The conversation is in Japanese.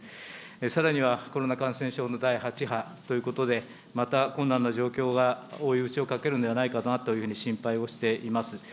さらにはコロナ感染症の第８波ということで、また困難な状況が追い打ちをかけるんではないかなと心配をしています。